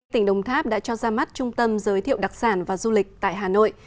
tỉnh đồng tháp đã cho ra mắt trung tâm giới thiệu đặc sản và du lịch tại hà nội